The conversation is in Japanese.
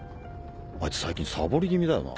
あいつ最近サボり気味だよな。